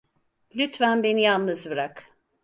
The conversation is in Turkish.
Lütfen beni yalnız bırak.